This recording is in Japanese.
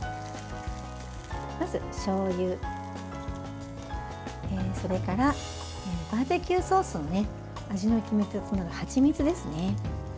まず、しょうゆそれからバーベキューソースの味の決め手となるはちみつですね。